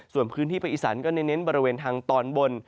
ส่วนพื้นที่ภาคอีสานก็เน้นบริเวณทางตอนบน